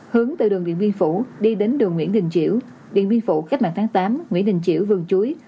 hướng từ đường điện biên phủ đi đến đường nguyễn đình chiểu điện biên phủ cách mạng tháng tám nguyễn đình chiểu vườn chuối